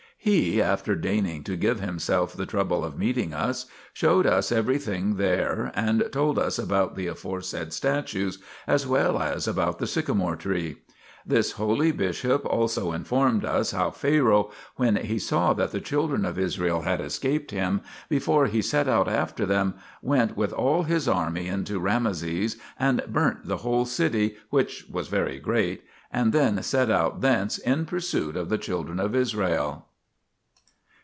He, after deigning to give himself the trouble of meeting us, showed us everything there and told us about the aforesaid statues, as well as about the sycomore tree. This holy bishop also informed us how Pharaoh, when he saw that the children of Israel had escaped him, before he set out after them, went with all his army into Rameses and burnt the whole city which was very great, and then set out thence in pursuit of the children of Israel.